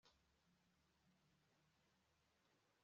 yozuwe atwika hayi maze ayihindura umuyonga